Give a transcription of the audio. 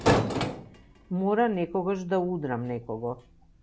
Мора некогаш да удрам некого.